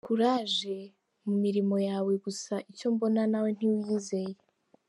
Courage mu mirimo yawe gusa icyo mbona nawe ntiwiyizeye.